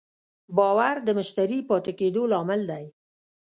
باور د مشتری پاتې کېدو لامل دی.